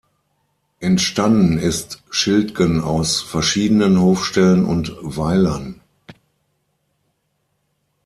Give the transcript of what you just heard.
Entstanden ist Schildgen aus verschiedenen Hofstellen und Weilern.